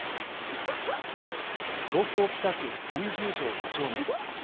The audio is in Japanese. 東京・北区上十条５丁目。